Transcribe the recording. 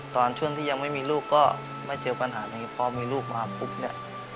ตอนช่วงที่ยังไม่มีลูกก็ไม่เจอปัญหาอย่างนี้พอมีลูกมาปุ๊บเนี่ย